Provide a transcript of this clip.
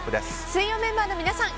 水曜メンバーの皆さん